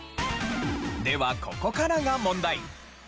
ではここからが問題。